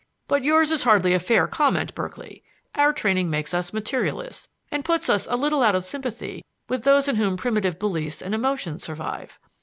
"But yours is hardly a fair comment, Berkeley. Our training makes us materialists, and puts us a little out of sympathy with those in whom primitive beliefs and emotions survive.